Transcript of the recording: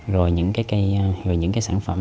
rồi những cái sản phẩm